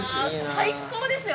最高ですよ